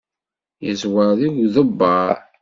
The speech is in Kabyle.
Yeẓwer deg uḍebber.